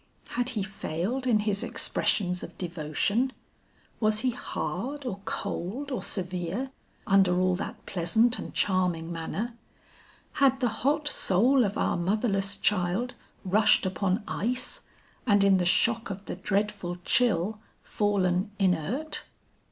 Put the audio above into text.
Had he failed in his expressions of devotion? Was he hard or cold or severe, under all that pleasant and charming manner? Had the hot soul of our motherless child rushed upon ice, and in the shock of the dreadful chill, fallen inert?